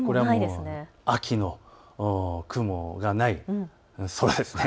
秋の雲がない空ですね。